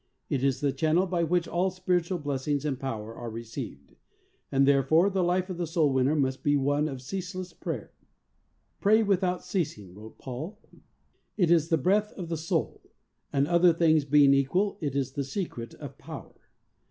It is the channel by which all spiritual blessings and power are received, and there fore the life of the soul winner must be one of ceaseless prayer. "Pray without ceasing," wrote Paul. It is the breath of the soul, and other things being equal, it is the secret of power.